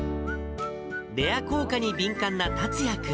レア硬貨に敏感な達哉君。